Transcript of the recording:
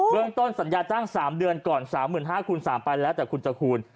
เรื่องต้นสัญญาจ้าง๓เดือนก่อน๓๕๐๐คูณ๓ไปแล้วแต่คุณจะคูณ